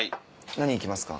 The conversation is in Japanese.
何いきますか？